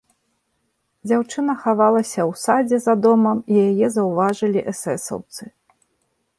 Дзяўчына хавалася ў садзе за домам, і яе заўважылі эсэсаўцы.